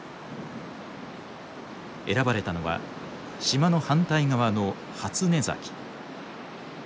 選ばれたのは島の反対側の初寝崎。